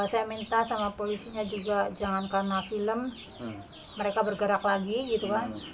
saya minta sama polisinya juga jangan kena film mereka bergerak lagi gitu kan